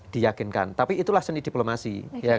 diyakinkan tapi itulah seni diplomasi